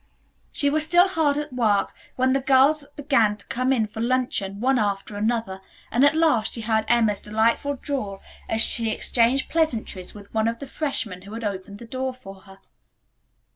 She was still hard at work when the girls began to come in for luncheon, one after another, and at last she heard Emma's delightful drawl as she exchanged pleasantries with one of the freshmen who had opened the door for her.